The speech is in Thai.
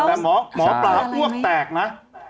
แต่หมอปลาอ้วกแตกนะ